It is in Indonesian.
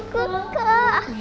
sampai nanti kita bisa